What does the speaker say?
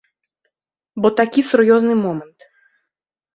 Бо такі сур'ёзны момант.